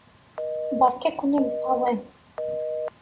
Beṛka-ken imeṭṭawen!